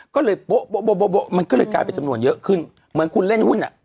ก็เลยโป๊ะมันก็เลยกลายเป็นจำนวนเยอะขึ้นเหมือนคุณเล่นหุ้นอ่ะ